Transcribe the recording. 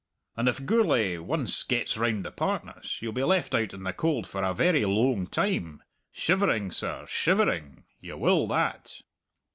And if Gourlay once gets round the partners, you'll be left out in the cold for a very loang time. Shivering, sir, shivering! You will that!"